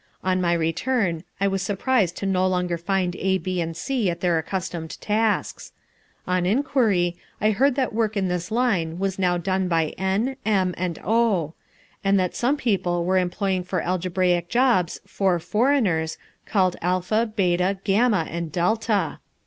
On my return I was surprised to no longer find A, B, and C at their accustomed tasks; on inquiry I heard that work in this line was now done by N, M, and O, and that some people were employing for algebraical jobs four foreigners called Alpha, Beta, Gamma, and Delta.